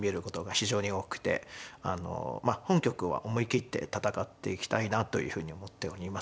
まあ本局は思い切って戦っていきたいなというふうに思っております。